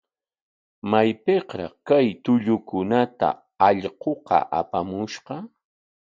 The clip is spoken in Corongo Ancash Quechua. ¿Maypikraq kay tullukunata allquqa apamushqa?